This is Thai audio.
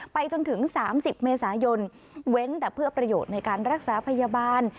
ไปจนถึง๓๐เมษายนเว้นแต่เพื่อประโยชน์ในการรักษาพยาบาล